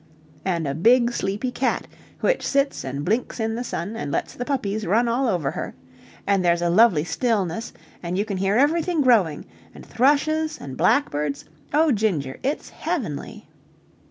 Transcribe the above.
And a big, sleepy cat, which sits and blinks in the sun and lets the puppies run all over her. And there's a lovely stillness, and you can hear everything growing. And thrushes and blackbirds... Oh, Ginger, it's heavenly!